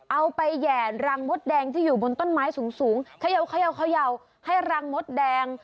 ไปแห่รังมดแดงที่อยู่บนต้นไม้สูงเขย่าให้รังมดแดง